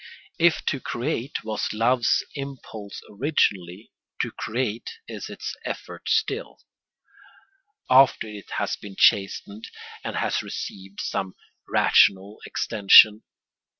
If to create was love's impulse originally, to create is its effort still, after it has been chastened and has received some rational extension.